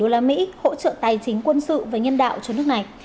hỗ trợ tài chính quân sự và nhân đạo cho nước này